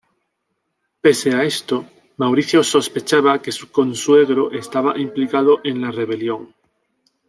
Pese a esto, Mauricio sospechaba que su consuegro estaba implicado en la rebelión.